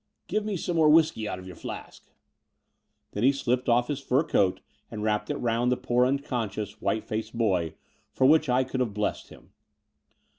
"Give him some more whisky out of your flask." Then he slipped off his fur coat and wrapped it round the poor unconscious, white faced boy, for which I could have blessed him.